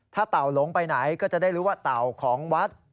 ถ้าเต่าหลงไปไหนก็จะได้รู้ว่าเต่าของวัด